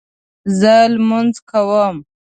زه لمونځ کوم